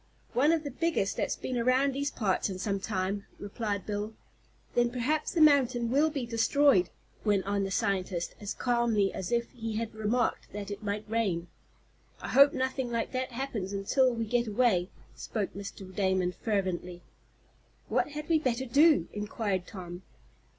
"One of the biggest that's been around these parts in some time," replied Bill. "Then perhaps the mountain will be destroyed," went on the scientist, as calmly as if he had remarked that it might rain. "I hope nothing like that happens until we get away," spoke Mr. Damon, fervently. "What had we better do?" inquired Tom.